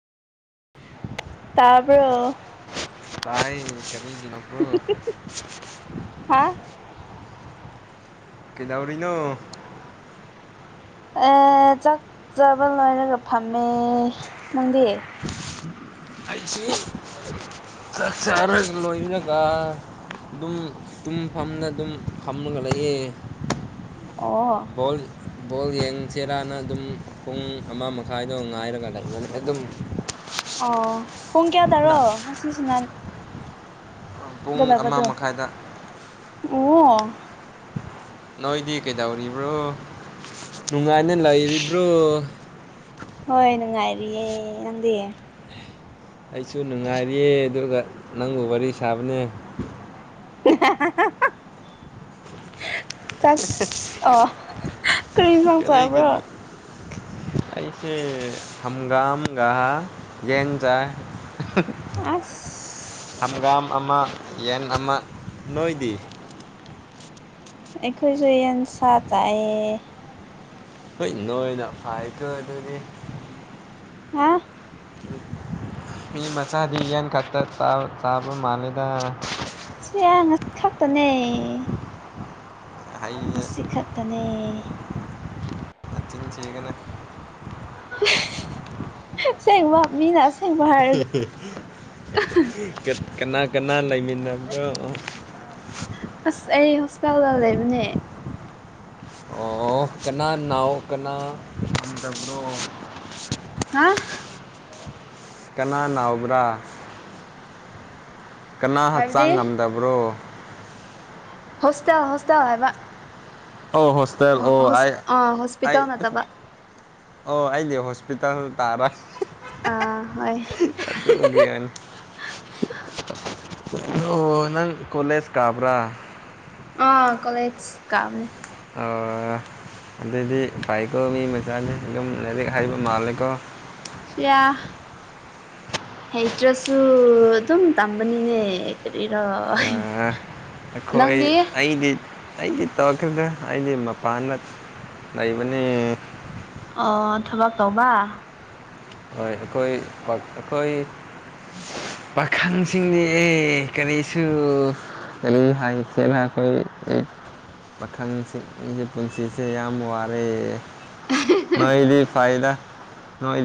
ꯇꯥꯕ꯭ꯔꯣ ꯇꯥꯏ ꯀꯔꯤꯒꯤ ꯅꯣꯛꯄ꯭ꯔꯣ ꯑꯦ ꯀꯩꯗꯧꯔꯤꯅꯣ ꯑꯦ ꯆꯥꯛ ꯆꯥꯕ ꯂꯣꯏꯔꯒ ꯐꯝꯃꯤ ꯅꯪꯗꯤ ꯑꯩꯁꯤ ꯆꯥꯛ ꯆꯥꯔꯒꯥ ꯂꯣꯏꯔꯒꯥ ꯑꯗꯨꯝ ꯇꯨꯝ ꯐꯝꯅꯗꯨꯝ ꯐꯝꯂꯒ ꯂꯩꯌꯦ ꯑꯣ ꯕꯣꯜ ꯕꯣꯜ ꯌꯦꯡꯁꯦꯔꯥꯅ ꯑꯗꯨꯝ ꯄꯨꯡ ꯑꯃ ꯃꯈꯥꯏꯗꯣ ꯉꯥꯏꯔꯒ ꯂꯩꯒꯅꯤ ꯑꯗꯨꯝ ꯑꯣ ꯄꯨꯡ ꯀꯌꯥ ꯅ ꯗꯥꯔꯣ ꯉꯁꯤ ꯁꯥꯅꯟ ꯄꯨꯡ ꯑꯃ ꯒꯥꯗꯕꯗꯣ ꯃꯈꯥꯏꯗ ꯑꯣ ꯅꯣꯏꯗꯤ ꯀꯩꯗꯧꯔꯤꯕ꯭ꯔꯣ ꯅꯨꯡꯉꯥꯏꯅ ꯂꯩꯔꯤꯕ꯭ꯔꯣ ꯍꯣꯏ ꯅꯨꯡꯉꯥꯏꯔꯤꯌꯦ ꯅꯪꯗꯤ ꯑꯩꯁꯨ ꯅꯨꯡꯉꯥꯏꯔꯤꯌꯦ ꯑꯗꯨꯒꯥ ꯅꯪꯕꯨ ꯋꯥꯔꯤ ꯁꯥꯕꯅꯦ ꯆꯥꯛ ꯑꯣ ꯀꯔꯤ ꯏꯟꯁꯥꯡ ꯀꯔꯤꯒꯤ ꯆꯥꯕ꯭ꯔꯣ ꯅꯣ [inaudible] ꯑꯩꯁꯦ ꯍꯥꯝꯒꯥꯝ ꯒꯥ ꯌꯦꯟ ꯆꯥꯏ ꯑꯥꯁ ꯍꯥꯝꯒꯥꯝ ꯑꯃꯥ ꯌꯦꯟ ꯑꯃꯥ ꯅꯣꯏꯗꯤ ꯑꯩꯈꯣꯏꯁꯨ ꯌꯦꯟ ꯁꯥ ꯆꯥꯏꯌꯦ ꯍꯣꯏ ꯅꯣꯏꯅ ꯐꯥꯏꯀꯣ ꯑꯗꯨꯗꯤ ꯍꯥ ꯃꯤ ꯃꯆꯥꯗꯤ ꯌꯦꯟ ꯈꯛꯇꯥ ꯆꯥꯕ ꯆꯥꯕ ꯃꯟꯂꯦꯗꯥ ꯁꯤ ꯌꯥ ꯉꯥ ꯈꯛꯇꯥꯅꯦ ꯍꯩ ꯉꯥꯁꯤ ꯈꯛꯇꯥꯅꯦ ꯅꯆꯤꯟ ꯊꯤꯒꯥꯅꯨ ꯁꯦꯡꯕ ꯃꯤꯅ ꯑꯁ [unintelligible] ꯀꯠ ꯀꯅꯥ ꯀꯅꯥ ꯂꯩꯃꯤꯟꯅꯕ꯭ꯔꯣ ꯑꯁ ꯑꯩ ꯍꯣꯁꯇꯦꯜꯗ ꯂꯩꯕꯅꯦ ꯑꯣ ꯀꯅꯥ ꯅꯥꯎ ꯀꯅꯥ ꯉꯝꯗꯕ꯭ꯔꯣ ꯍꯥ ꯀꯅꯥ ꯅꯥꯎꯕ꯭ꯔꯥ ꯀꯅꯥ ꯍꯛꯆꯥꯡ ꯍꯥꯏꯕꯗꯤ ꯉꯝꯗꯕ꯭ꯔꯣ ꯍꯣꯁꯇꯦꯜ ꯍꯣꯁꯇꯦꯜ ꯍꯥꯏꯕ ꯑꯣ ꯍꯣꯁꯇꯦꯜ ꯑꯣ ꯑꯥꯏ ꯑꯥ ꯑꯩ ꯍꯣꯁꯄꯤꯇꯥꯜ ꯅꯠꯇꯕ ꯑꯣ ꯑꯩꯗꯤ ꯍꯣꯁꯄꯤꯇꯥꯜ ꯇꯥꯔꯥ ꯑꯥ ꯍꯣꯏ ꯑꯗꯨꯒꯤꯟ ꯑꯣ ꯅꯪ ꯀꯣꯂꯦꯁ ꯀꯥꯕ꯭ꯔꯥ ꯑꯥ ꯀꯣꯂꯦꯖ ꯀꯕꯅꯦ ꯑꯣ ꯑꯗꯨꯗꯤ ꯐꯩꯀꯣ ꯃꯤ ꯃꯆꯥꯗꯤ ꯑꯗꯨꯝ ꯂꯥꯏꯔꯤꯛ ꯍꯩꯕ ꯃꯟꯂꯦꯀꯣ ꯁꯤꯌꯥ ꯍꯩꯇ꯭ꯔꯥꯁꯨ ꯑꯗꯨꯝ ꯇꯝꯕꯅꯤꯅꯦ ꯀꯥꯔꯤꯔꯣ ꯑꯥ ꯑꯩꯈꯣꯏ ꯑꯩꯗꯤ ꯑꯩꯗꯤ ꯇꯧꯛꯈ꯭ꯔꯦꯗ ꯑꯩꯗꯤ ꯃꯄꯥꯟꯗ ꯂꯩꯕꯅꯦ ꯑꯣ ꯊꯕꯛ ꯇꯧꯕ ꯍꯣꯏ ꯑꯩꯈꯣꯏ ꯑꯩꯈꯣꯏ ꯄꯥꯈꯪꯁꯤꯡꯗꯤ ꯑꯦ ꯀꯔꯤꯁꯨ ꯀ꯭ꯔꯤ ꯍꯥꯏꯈ꯭ꯔꯦꯅ ꯑꯈꯣꯏ ꯀ꯭ꯔꯤ ꯄꯥꯈꯪꯁꯤꯡꯒꯤ ꯄꯨꯟꯁꯤꯁꯦ ꯌꯝ ꯋꯥꯔꯦ ꯅꯣꯏꯗꯤ ꯐꯩꯗ ꯅꯣꯏ